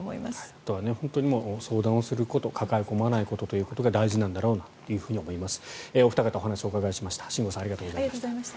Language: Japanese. あとは相談すること抱え込まないことが大事なんだろうと思います。